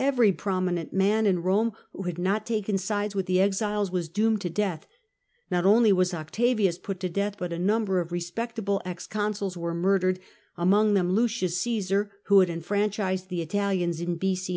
Every prominent man in Rome who had not taken sides with the exiles was doomed to death : not only was Octavius put to death, but a num ber of respectable ex consuls were murdered, among them Lucius Cgesar, who had enfranchised the Italians in B.C.